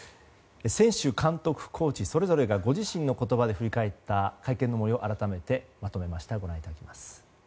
選手、監督、コーチそれぞれがご自身の言葉で振り返った、会見の模様改めてまとめました。